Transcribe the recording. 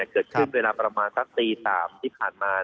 เกิดขึ้นเวลาประมาณสักตี๓ที่ผ่านมา